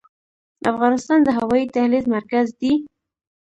افغانستان د هوایي دهلیز مرکز دی؟